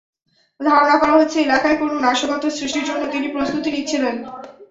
ধারণা করা হচ্ছে, এলাকায় কোনো নাশকতা সৃষ্টির জন্য তিনি প্রস্তুতি নিচ্ছিলেন।